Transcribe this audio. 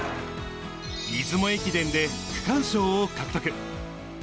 出雲駅伝で区間賞を獲得。